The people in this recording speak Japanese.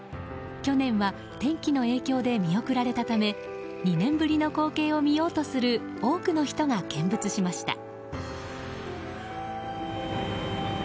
去年は天気の影響で見送られたため２年ぶりの光景を見ようとする多くの人が見物しました。